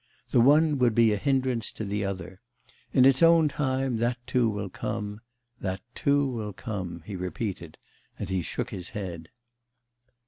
The one would be a hindrance to the other. In its own time that, too, will come... that too will come,' he repeated, and he shook his head.